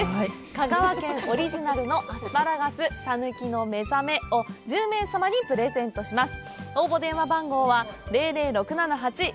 香川県オリジナルのアスパラガス「さぬきのめざめ」を１０名様にプレゼントいたします。